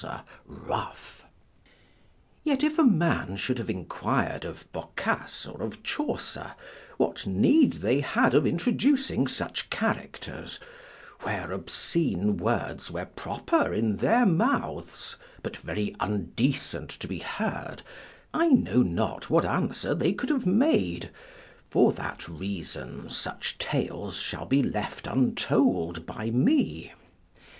Yet if a man should have enquired of Boccace or of Chaucer, what need they had of introducing such characters, where obscene words were proper in their mouths, but very undecent to be heard; I know not what answer they could have made: for that reason such tales shall be left untold by me.